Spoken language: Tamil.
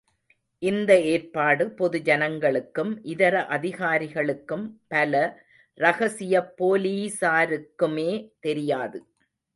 இந்த ஏற்பாடு பொது ஜனங்களுக்கும் இதர அதிகாரிகளுக்கும் பல ரகசியப் போலீஸாருக்குமே தெரியாது.